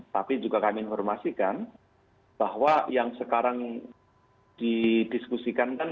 tapi juga kami informasikan bahwa yang sekarang didiskusikan kan